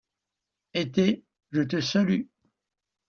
Été, je te salue.